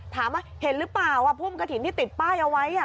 ถามว่าเห็นหรือเปล่าพุ่มกระถิ่นที่ติดป้ายเอาไว้